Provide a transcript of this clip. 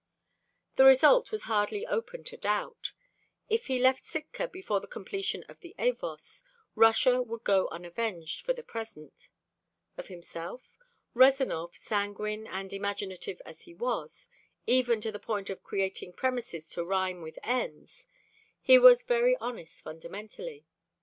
The result was hardly open to doubt. If he left Sitka before the completion of the Avos, Russia would go unavenged for the present. Or himself? Rezanov, sanguine and imaginative as he was, even to the point of creating premises to rhyme with ends, was very honest fundamentally.